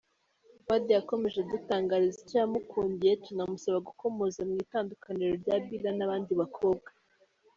" Fuade yakomeje adutangariza icyo yamukundiye, tunamusaba gukomoza ku itandukaniro rya Bilha n'abandi bakobwa.